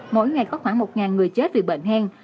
mỗi ngày có khoảng một người chết vì bệnh hen